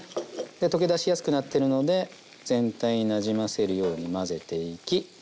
溶け出しやすくなってるので全体になじませるように混ぜていき。